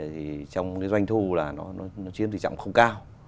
thì trong cái doanh thu là nó chiếm tỷ trọng không cao